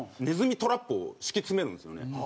ネズミトラップを敷き詰めるんですよね